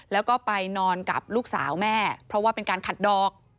แล้วก็ไปนอนกับลูกสาวแม่เพราะว่าเป็นการขัดดอก